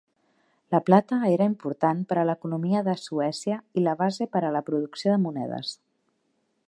La plata era important per a l'economia de Suècia i la base per a la producció de monedes.